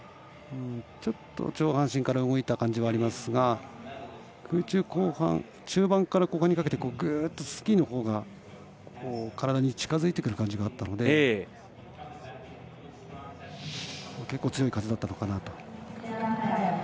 ちょっと上半身から動いた感じはありますが空中、中盤から後半にかけてぐーっとスキーのほうが体に近づいてくる感じがあったので結構強い風だったのかなと。